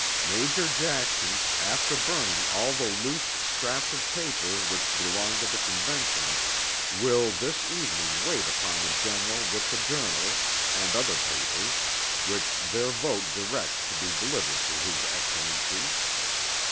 "Major Jackson, after burning all the loose scraps of paper which belong to the Convention, will this evening wait upon the General with the Journals and other papers which their vote directs to be delivered to His Excellency."